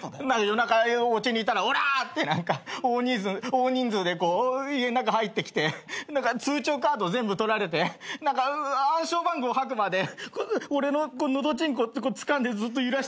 夜中うちにいたらおらー！って何か大人数で家の中入ってきて通帳カード全部取られて暗証番号吐くまで俺ののどちんこつかんでずっと揺らしてくる。